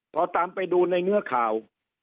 พอตามไปดูในเนื้อข่าว